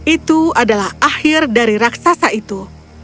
itu adalah akhir dari raksasa itu